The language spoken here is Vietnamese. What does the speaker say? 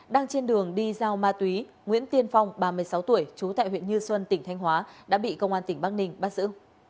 đang trên đường đi giao ma túy nguyễn tiên phong ba mươi sáu tuổi trú tại huyện như xuân tỉnh thanh hóa đã bị công an tỉnh bắc ninh bắt giữ